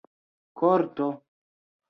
korto